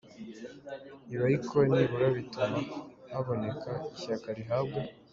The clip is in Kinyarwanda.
Ibi ariko nibura bituma haboneka ishyaka rihabwa